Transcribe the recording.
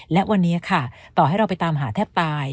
และวันนี้ค่ะต่อให้เราไปตามหาแทบตาย